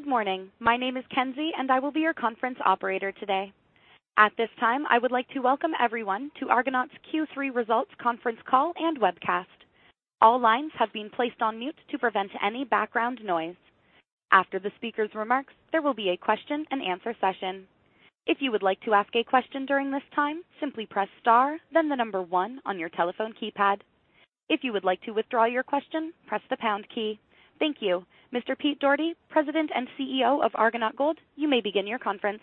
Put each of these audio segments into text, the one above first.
Good morning. My name is Kenzie, I will be your conference operator today. At this time, I would like to welcome everyone to Argonaut's Q3 Results Conference Call and Webcast. All lines have been placed on mute to prevent any background noise. After the speaker's remarks, there will be a question and answer session. If you would like to ask a question during this time, simply press star then the number 1 on your telephone keypad. If you would like to withdraw your question, press the pound key. Thank you. Mr. Pete Dougherty, President and CEO of Argonaut Gold, you may begin your conference.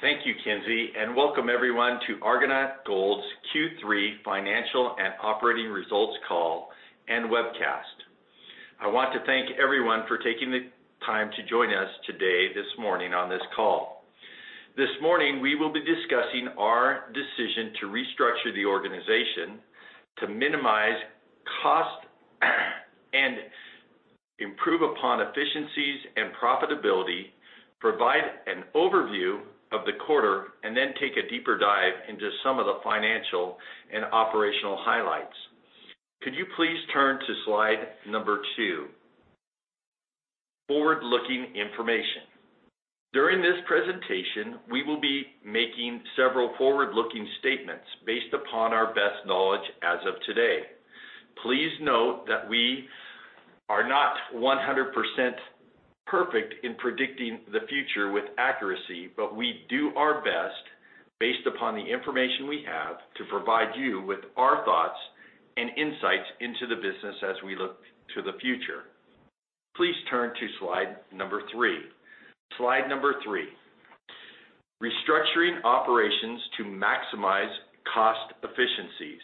Thank you, Kenzie, and welcome everyone to Argonaut Gold's Q3 Financial and Operating Results Call and Webcast. I want to thank everyone for taking the time to join us today this morning on this call. This morning, we will be discussing our decision to restructure the organization to minimize cost and improve upon efficiencies and profitability, provide an overview of the quarter, and then take a deeper dive into some of the financial and operational highlights. Could you please turn to slide number two, forward-looking information. During this presentation, we will be making several forward-looking statements based upon our best knowledge as of today. Please note that we are not 100% perfect in predicting the future with accuracy, but we do our best based upon the information we have to provide you with our thoughts and insights into the business as we look to the future. Please turn to slide number 3. Slide number 3, restructuring operations to maximize cost efficiencies.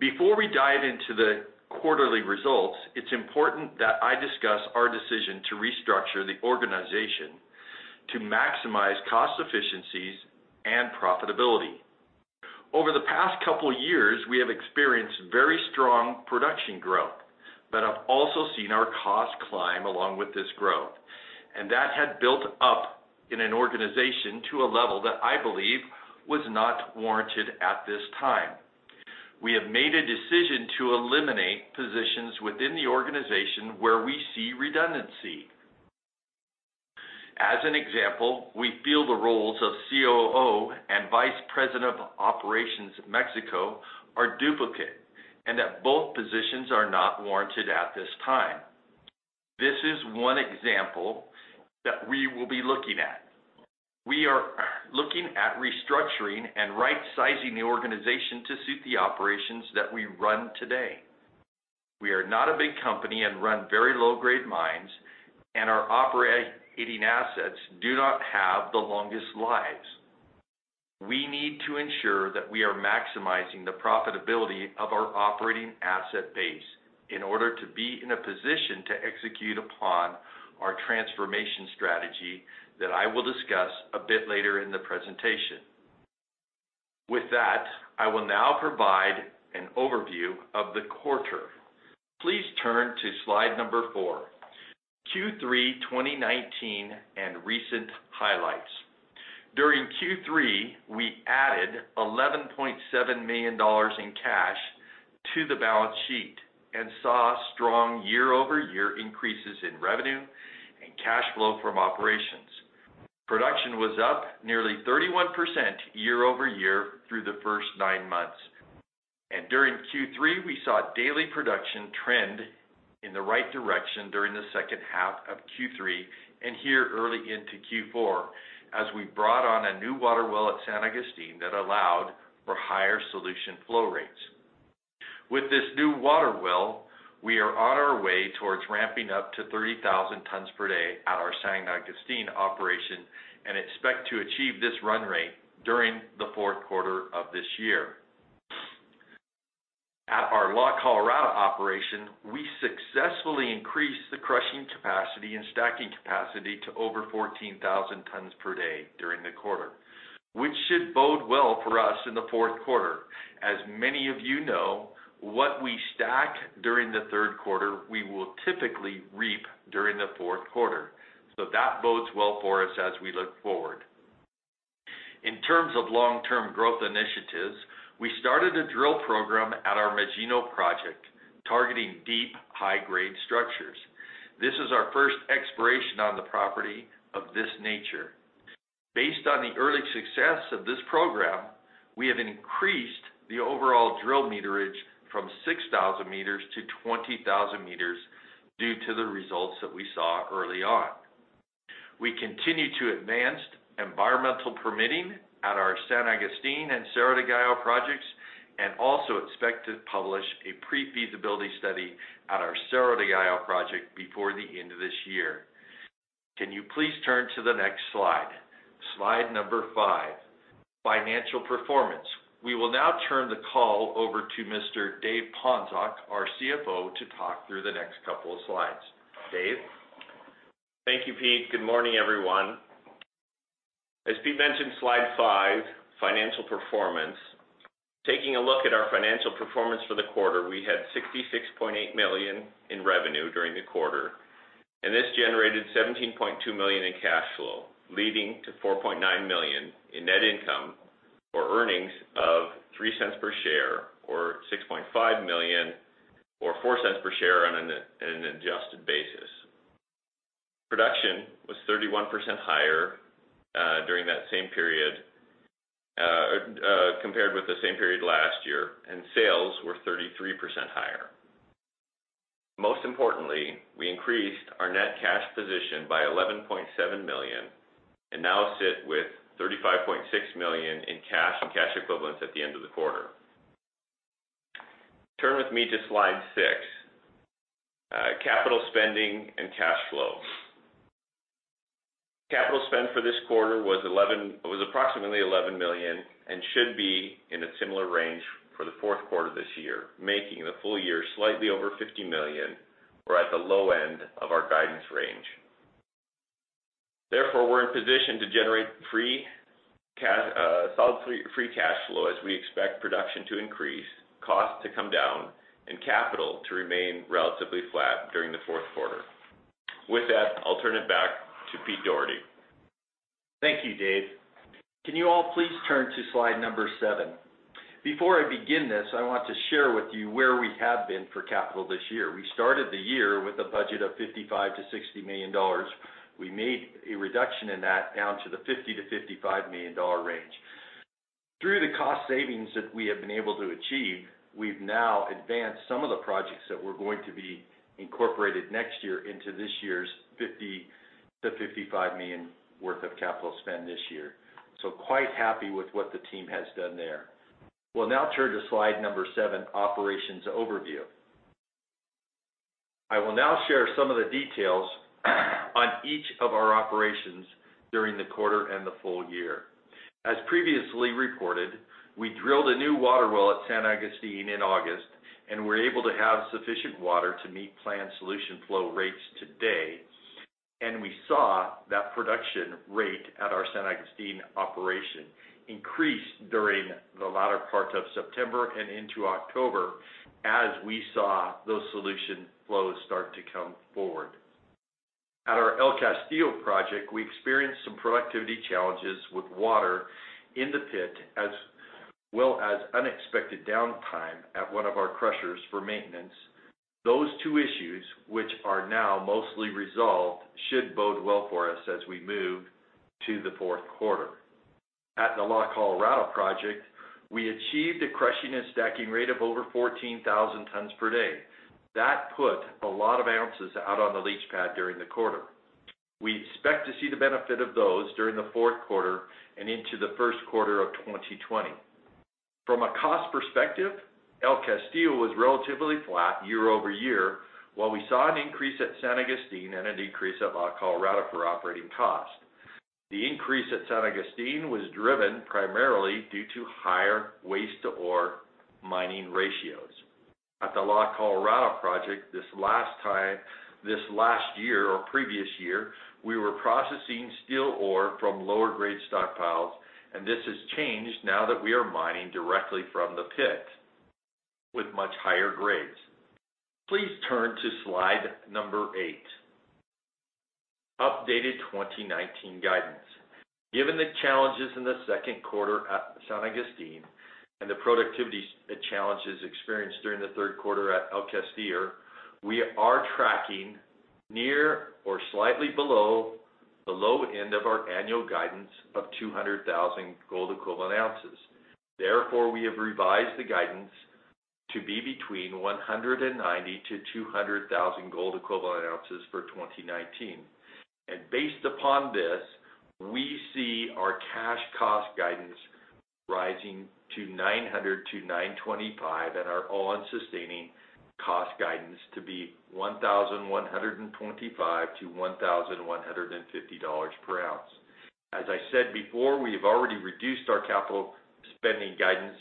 Before we dive into the quarterly results, it's important that I discuss our decision to restructure the organization to maximize cost efficiencies and profitability. Over the past couple of years, we have experienced very strong production growth, but I've also seen our costs climb along with this growth. That had built up in an organization to a level that I believe was not warranted at this time. We have made a decision to eliminate positions within the organization where we see redundancy. As an example, we feel the roles of COO and Vice President of Operations Mexico are duplicate and that both positions are not warranted at this time. This is one example that we will be looking at. We are looking at restructuring and right-sizing the organization to suit the operations that we run today. We are not a big company and run very low-grade mines, and our operating assets do not have the longest lives. We need to ensure that we are maximizing the profitability of our operating asset base in order to be in a position to execute upon our transformation strategy that I will discuss a bit later in the presentation. With that, I will now provide an overview of the quarter. Please turn to slide number four, Q3 2019 and recent highlights. During Q3, we added 11.7 million dollars in cash to the balance sheet and saw strong year-over-year increases in revenue and cash flow from operations. Production was up nearly 31% year-over-year through the first nine months. During Q3, we saw daily production trend in the right direction during the second half of Q3 and here early into Q4 as we brought on a new water well at San Agustin that allowed for higher solution flow rates. With this new water well, we are on our way towards ramping up to 30,000 tons per day at our San Agustin operation and expect to achieve this run rate during the fourth quarter of this year. At our La Colorada operation, we successfully increased the crushing capacity and stacking capacity to over 14,000 tons per day during the quarter, which should bode well for us in the fourth quarter. As many of you know, what we stack during the third quarter, we will typically reap during the fourth quarter. That bodes well for us as we look forward. In terms of long-term growth initiatives, we started a drill program at our Magino project, targeting deep, high-grade structures. This is our first exploration on the property of this nature. Based on the early success of this program, we have increased the overall drill meterage from 6,000 meters to 20,000 meters due to the results that we saw early on. We continue to advance environmental permitting at our San Agustin and Cerro de Gallo projects and also expect to publish a pre-feasibility study at our Cerro de Gallo project before the end of this year. Can you please turn to the next slide? Slide number five, financial performance. We will now turn the call over to Mr. Dave Ponczoch, our CFO, to talk through the next couple of slides. Dave? Thank you, Pete. Good morning, everyone. As Pete mentioned, slide five, financial performance. Taking a look at our financial performance for the quarter, we had 66.8 million in revenue during the quarter, and this generated 17.2 million in cash flow, leading to 4.9 million in net income or earnings of 0.03 per share, or 6.5 million, or 0.04 per share on an adjusted basis. Production was 31% higher during that same period, compared with the same period last year, and sales were 33% higher. Most importantly, we increased our net cash position by 11.7 million and now sit with 35.6 million in cash and cash equivalents at the end of the quarter. Turn with me to slide six, capital spending and cash flow. Capital spend for this quarter was approximately 11 million and should be in a similar range for the fourth quarter this year, making the full year slightly over 50 million. We're at the low end of our guidance range. Therefore, we're in position to generate solid free cash flow, as we expect production to increase, cost to come down, and capital to remain relatively flat during the fourth quarter. With that, I'll turn it back to Pete Dougherty. Thank you, Dave. Can you all please turn to slide number seven? Before I begin this, I want to share with you where we have been for capital this year. We started the year with a budget of 55 million-60 million dollars. We made a reduction in that down to the 50 million-55 million dollar range. Through the cost savings that we have been able to achieve, we've now advanced some of the projects that were going to be incorporated next year into this year's 50 million-55 million worth of capital spend this year. Quite happy with what the team has done there. We'll now turn to slide number seven, operations overview. I will now share some of the details on each of our operations during the quarter and the full year. As previously reported, we drilled a new water well at San Agustin in August, and were able to have sufficient water to meet planned solution flow rates today. We saw that production rate at our San Agustin operation increase during the latter part of September and into October as we saw those solution flows start to come forward. At our El Castillo project, we experienced some productivity challenges with water in the pit, as well as unexpected downtime at one of our crushers for maintenance. Those two issues, which are now mostly resolved, should bode well for us as we move to the fourth quarter. At the La Colorada project, we achieved a crushing and stacking rate of over 14,000 tons per day. That put a lot of ounces out on the leach pad during the quarter. We expect to see the benefit of those during the fourth quarter and into the first quarter of 2020. From a cost perspective, El Castillo was relatively flat year-over-year, while we saw an increase at San Agustin and a decrease at La Colorada for operating cost. The increase at San Agustin was driven primarily due to higher waste to ore mining ratios. At the La Colorada project, this last year or previous year, we were processing stale ore from lower grade stockpiles, and this has changed now that we are mining directly from the pit with much higher grades. Please turn to slide number eight, updated 2019 guidance. Given the challenges in the second quarter at San Agustin and the productivity challenges experienced during the third quarter at El Castillo, we are tracking near or slightly below the low end of our annual guidance of 200,000 gold equivalent ounces. Therefore, we have revised the guidance to be between 190,000-200,000 gold equivalent ounces for 2019. Based upon this, we see our cash cost guidance rising to 900-925, and our all-in sustaining cost guidance to be 1,125-1,150 dollars per ounce. As I said before, we have already reduced our capital spending guidance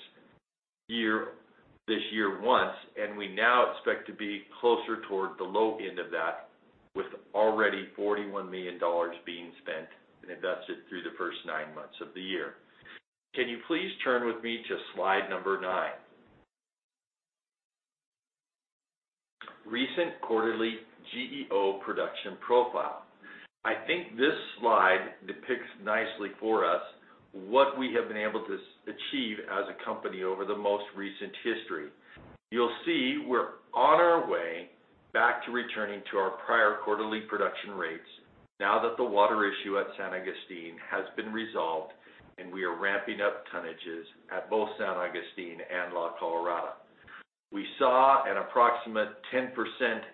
this year once, and we now expect to be closer toward the low end of that, with already 41 million dollars being spent and invested through the first nine months of the year. Can you please turn with me to slide number nine? Recent quarterly GEO production profile. I think this slide depicts nicely for us what we have been able to achieve as a company over the most recent history. You'll see we're on our way back to returning to our prior quarterly production rates now that the water issue at San Agustin has been resolved and we are ramping up tonnages at both San Agustin and La Colorada. We saw an approximate 10%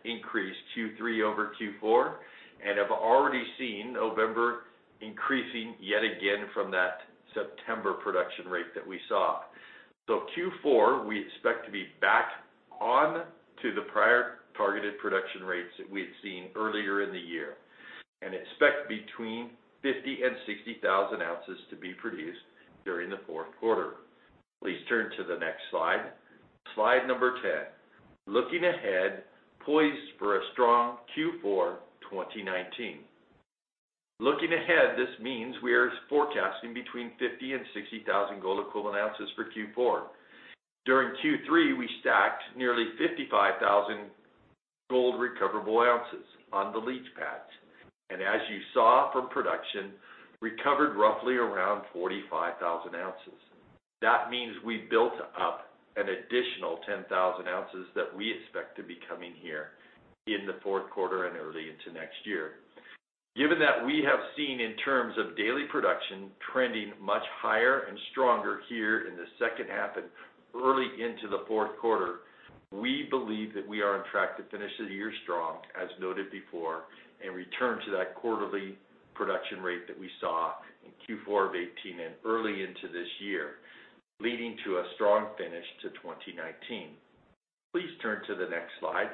increase Q3 over Q4, and have already seen November increasing yet again from that September production rate that we saw. Q4, we expect to be back on to the prior targeted production rates that we had seen earlier in the year, and expect between 50,000 and 60,000 ounces to be produced during the fourth quarter. Please turn to the next slide. Slide number 10. Looking ahead, poised for a strong Q4 2019. Looking ahead, this means we are forecasting between 50,000 and 60,000 gold equivalent ounces for Q4. During Q3, we stacked nearly 55,000 gold recoverable ounces on the leach pads. As you saw from production, recovered roughly around 45,000 ounces. That means we built up an additional 10,000 ounces that we expect to be coming here in the fourth quarter and early into next year. Given that we have seen in terms of daily production trending much higher and stronger here in the second half and early into the fourth quarter, we believe that we are on track to finish the year strong, as noted before, and return to that quarterly production rate that we saw in Q4 of 2018 and early into this year, leading to a strong finish to 2019. Please turn to the next slide.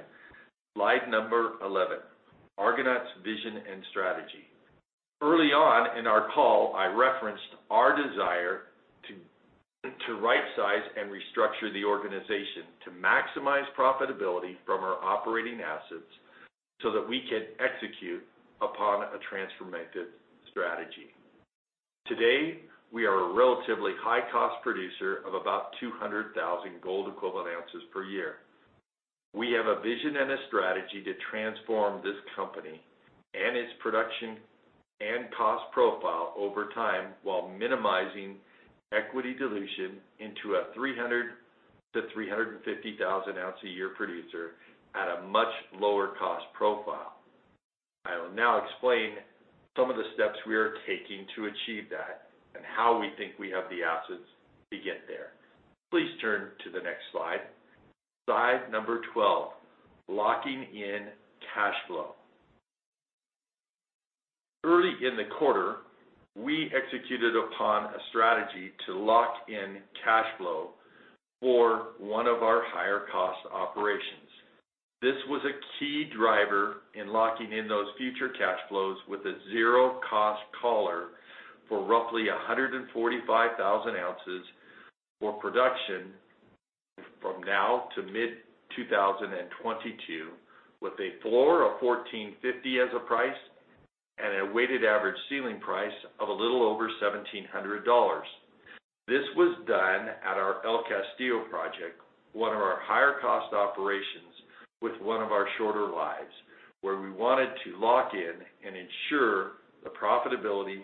Slide number 11, Argonaut's vision and strategy. Early on in our call, I referenced our desire to right size and restructure the organization to maximize profitability from our operating assets so that we can execute upon a transformative strategy. Today, we are a relatively high-cost producer of about 200,000 gold equivalent ounces per year. We have a vision and a strategy to transform this company and its production and cost profile over time, while minimizing equity dilution into a 300,000 to 350,000 ounce a year producer at a much lower cost profile. I will now explain some of the steps we are taking to achieve that and how we think we have the assets to get there. Please turn to the next slide. Slide number 12, locking in cash flow. Early in the quarter, we executed upon a strategy to lock in cash flow for one of our higher cost operations. This was a key driver in locking in those future cash flows with a zero-cost collar for roughly 145,000 ounces for production from now to mid-2022, with a floor of $1,450 as a price and a weighted average ceiling price of a little over $1,700. This was done at our El Castillo project, one of our higher cost operations with one of our shorter lives, where we wanted to lock in and ensure the profitability,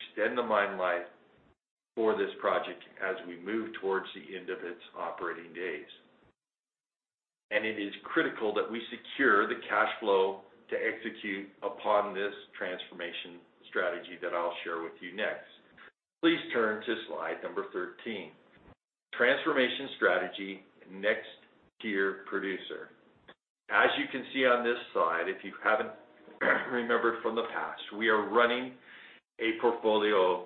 extend the mine life for this project as we move towards the end of its operating days. It is critical that we secure the cash flow to execute upon this transformation strategy that I'll share with you next. Please turn to slide number 13, transformation strategy, next tier producer. As you can see on this slide, if you haven't remembered from the past, we are running a portfolio of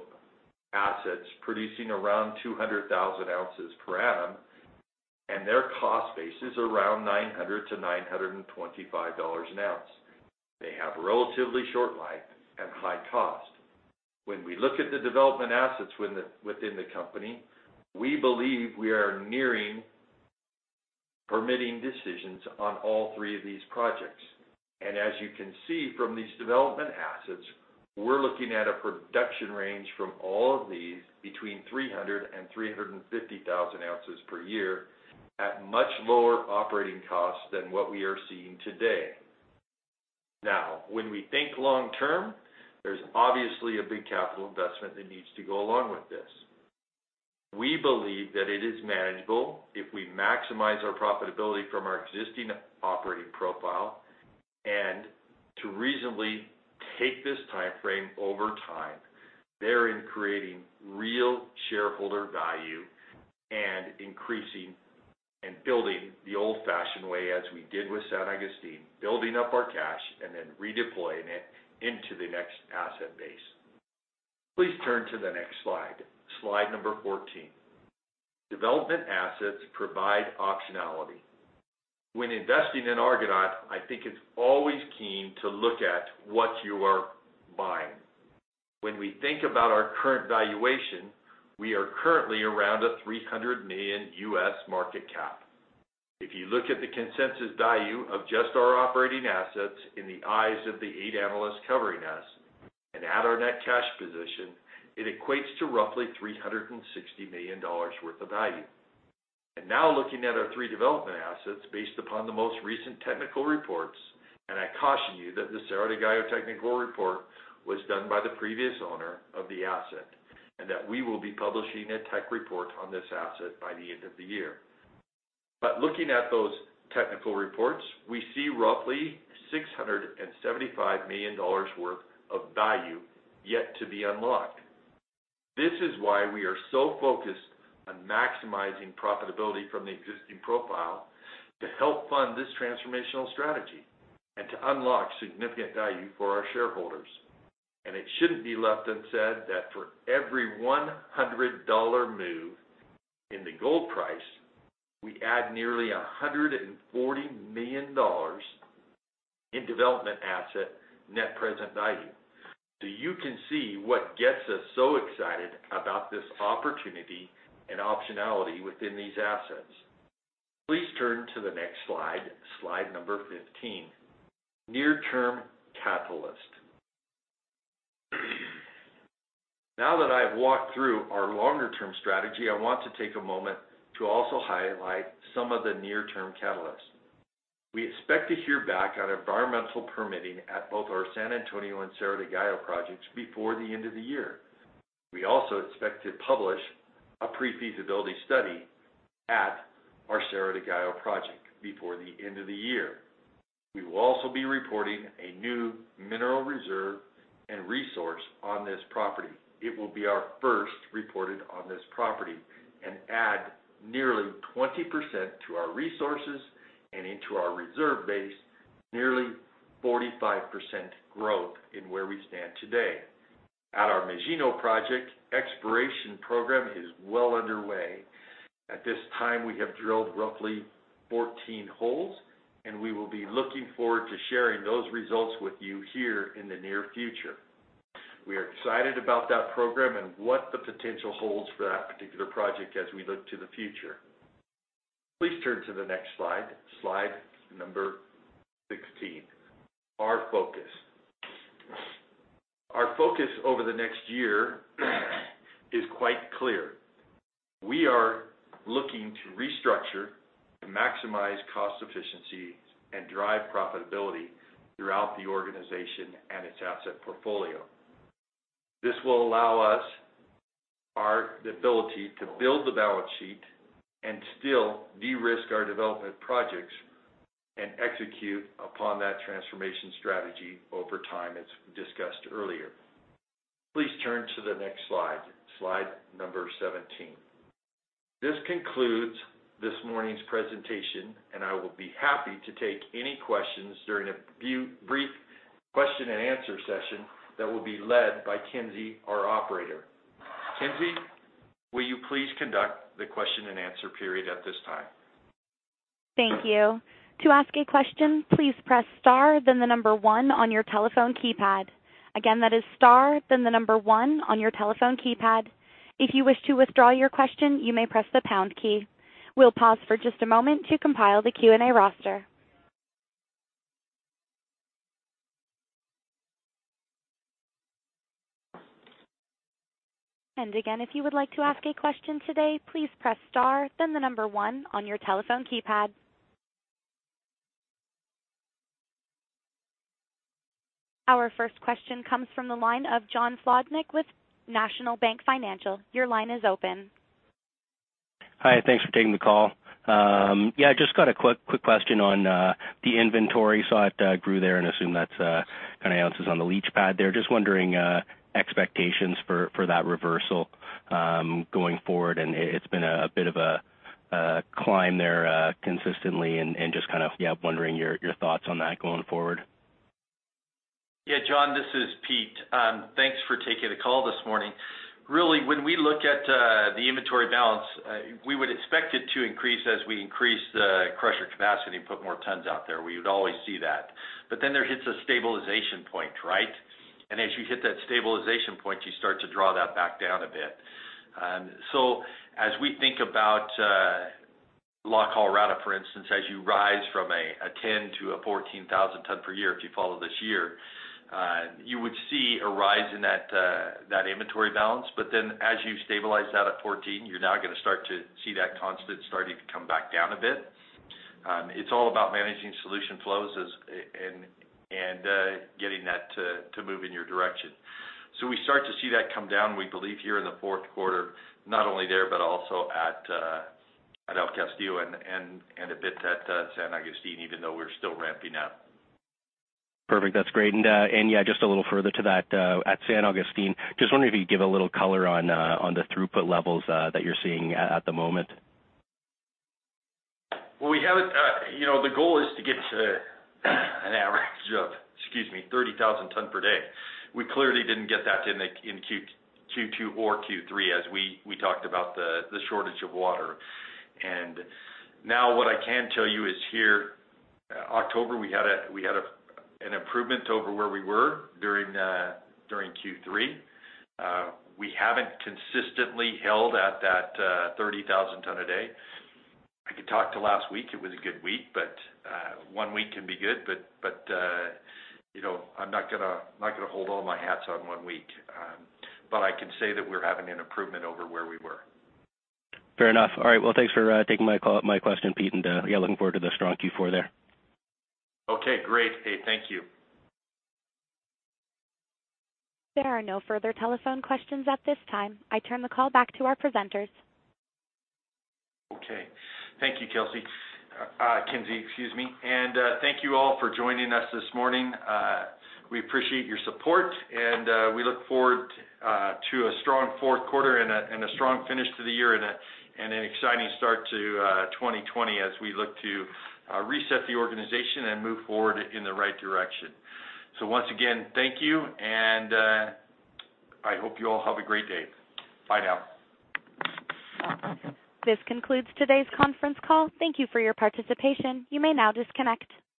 assets producing around 200,000 ounces per annum. Their cost base is around 900 to 925 dollars an ounce. They have a relatively short life and high cost. When we look at the development assets within the company, we believe we are nearing permitting decisions on all three of these projects. As you can see from these development assets, we're looking at a production range from all of these between 300,000 and 350,000 ounces per year at much lower operating costs than what we are seeing today. When we think long term, there's obviously a big capital investment that needs to go along with this. We believe that it is manageable if we maximize our profitability from our existing operating profile and to reasonably take this timeframe over time, therein creating real shareholder value and increasing and building the old-fashioned way as we did with San Agustin, building up our cash and then redeploying it into the next asset base. Please turn to the next slide. Slide number 14, development assets provide optionality. When investing in Argonaut, I think it's always keen to look at what you are buying. When we think about our current valuation, we are currently around a $300 million U.S. market cap. If you look at the consensus value of just our operating assets in the eyes of the eight analysts covering us, and add our net cash position, it equates to roughly 360 million dollars worth of value. Now looking at our three development assets based upon the most recent technical reports, and I caution you that the Cerro de Gallo technical report was done by the previous owner of the asset, and that we will be publishing a tech report on this asset by the end of the year. Looking at those technical reports, we see roughly 675 million dollars worth of value yet to be unlocked. This is why we are so focused on maximizing profitability from the existing profile to help fund this transformational strategy and to unlock significant value for our shareholders. It shouldn't be left unsaid that for every 100 dollar move in the gold price, we add nearly 140 million dollars in development asset net present value. You can see what gets us so excited about this opportunity and optionality within these assets. Please turn to the next slide number 15. Near-term catalyst. I've walked through our longer-term strategy, I want to take a moment to also highlight some of the near-term catalysts. We expect to hear back on environmental permitting at both our San Antonio and Cerro de Gallo projects before the end of the year. We also expect to publish a pre-feasibility study at our Cerro de Gallo project before the end of the year. We will also be reporting a new mineral reserve and resource on this property. It will be our first reported on this property and add nearly 20% to our resources and into our reserve base, nearly 45% growth in where we stand today. At our Magino project, exploration program is well underway. At this time, we have drilled roughly 14 holes, and we will be looking forward to sharing those results with you here in the near future. We are excited about that program and what the potential holds for that particular project as we look to the future. Please turn to the next slide number 16, Our Focus. Our focus over the next year is quite clear. We are looking to restructure, maximize cost efficiency, and drive profitability throughout the organization and its asset portfolio. This will allow us the ability to build the balance sheet and still de-risk our development projects and execute upon that transformation strategy over time, as discussed earlier. Please turn to the next slide number 17. This concludes this morning's presentation, and I will be happy to take any questions during a brief question and answer session that will be led by Kenzie, our operator. Kenzie, will you please conduct the question and answer period at this time? Thank you. To ask a question, please press star then the number one on your telephone keypad. Again, that is star then the number one on your telephone keypad. If you wish to withdraw your question, you may press the pound key. We'll pause for just a moment to compile the Q&A roster. Again, if you would like to ask a question today, please press star then the number one on your telephone keypad. Our first question comes from the line of John Sclodnick with National Bank Financial. Your line is open. Hi, thanks for taking the call. Yeah, just got a quick question on the inventory. Saw it grew there and assume that's ton of ounces on the leach pad there. Just wondering expectations for that reversal going forward, and it's been a bit of a climb there consistently and just kind of, yeah, wondering your thoughts on that going forward. Yeah, John, this is Pete. Thanks for taking the call this morning. Really, when we look at the inventory balance, we would expect it to increase as we increase the crusher capacity and put more tons out there. We would always see that. Then there hits a stabilization point, right. As you hit that stabilization point, you start to draw that back down a bit. As we think about La Colorada, for instance, as you rise from a 10 to a 14,000 ton per year, if you follow this year, you would see a rise in that inventory balance. Then as you stabilize that at 14, you're now going to start to see that constant starting to come back down a bit. It's all about managing solution flows and getting that to move in your direction. We start to see that come down, we believe, here in the fourth quarter, not only there but also at El Castillo and a bit at San Agustin, even though we're still ramping up. Perfect. That's great. Yeah, just a little further to that, at San Antonio, just wondering if you could give a little color on the throughput levels that you're seeing at the moment. Well, the goal is to get to an average of, excuse me, 30,000 tons per day. We clearly didn't get that in Q2 or Q3, as we talked about the shortage of water. Now what I can tell you is here, October, we had an improvement over where we were during Q3. We haven't consistently held at that 30,000 tons a day. I could talk to last week, it was a good week, but one week can be good, but I'm not going to hold all my hats on one week. I can say that we're having an improvement over where we were. Fair enough. All right. Well, thanks for taking my question, Pete. Yeah, looking forward to the strong Q4 there. Okay, great. Hey, thank you. There are no further telephone questions at this time. I turn the call back to our presenters. Okay. Thank you, Kenzie. Kenzie, excuse me. Thank you all for joining us this morning. We appreciate your support, and we look forward to a strong fourth quarter and a strong finish to the year and an exciting start to 2020 as we look to reset the organization and move forward in the right direction. Once again, thank you, and I hope you all have a great day. Bye now. This concludes today's conference call. Thank you for your participation. You may now disconnect.